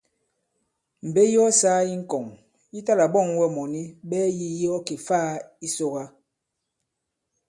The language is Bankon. Mbe yi ɔ sāa i ŋkɔ̀ŋ yi ta-là-ɓɔ᷇ŋ wɛ mɔ̀ni ɓɛɛ yî yi ɔ kè-faā i Sòkà.